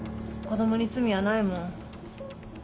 子供に罪はないもん。